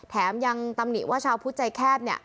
แถมยังตำหนิว่าชาวพุทธใจแคบ